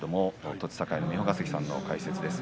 栃栄、三保ヶ関さんの解説です。